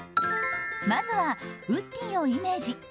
まずはウッディをイメージ